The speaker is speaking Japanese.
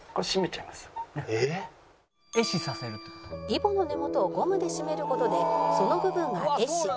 「イボの根元をゴムで締める事でその部分が壊死」